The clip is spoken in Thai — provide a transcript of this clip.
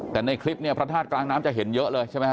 แต่ในคลิปเนี่ยพระธาตุกลางน้ำจะเห็นเยอะเลยใช่ไหมฮ